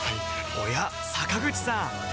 おや坂口さん